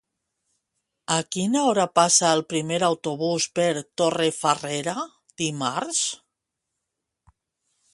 A quina hora passa el primer autobús per Torrefarrera dimarts?